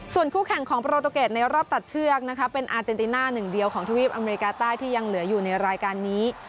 ส่วนคู่แข่งของโปรตูเกตในรอบตัดเชือกนะคะเป็นอาเจนติน่าหนึ่งเดียวของทวีปอเมริกาใต้ที่ยังเหลืออยู่ในรายการนี้